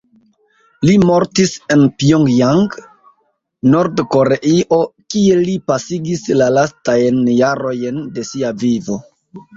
Li mortis en Pjongjango, Nord-Koreio kie li pasigis la lastajn jarojn de sia vivo.